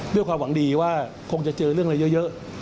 ด้วยความหวังดีว่าคงจะเจอเรื่องอะไรเยอะ